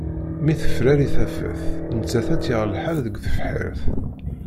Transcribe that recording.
Mi d-tefrari tafat, nettat ad tt-yaɣ lḥal deg tebḥirt.